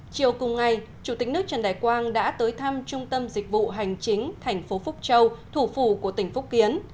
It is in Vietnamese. chiều cùng ngày chủ tịch nước trần đại quang đã tới thăm trung tâm dịch vụ hành chính thành phố phúc châu thủ phủ của tỉnh phúc kiến